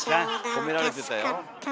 褒められたよ。